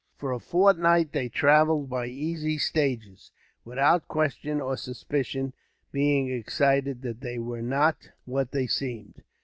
For a fortnight they travelled, by easy stages, without question or suspicion being excited that they were not what they seemed.